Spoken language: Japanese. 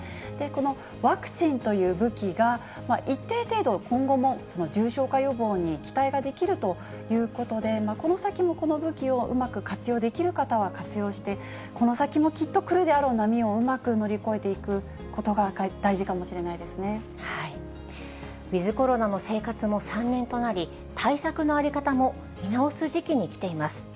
このワクチンという武器が、一定程度、今後も重症化予防に期待ができるということで、この先もこの武器を、うまく活用できる方は活用して、この先もきっと来るであろう波をうまく乗り越えていくことが大事ウィズコロナの生活も３年となり、対策の在り方も見直す時期に来ています。